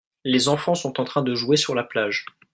les enfant sont en train de jouer sur la plage.